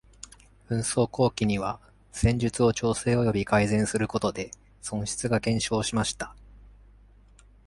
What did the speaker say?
紛争後期には、戦術を調整および改善することで損失が減少しました。